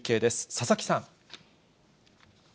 佐々木さん。